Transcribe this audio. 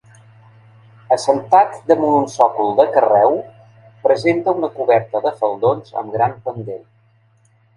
Assentat damunt un sòcol de carreu, presenta una coberta de faldons amb gran pendent.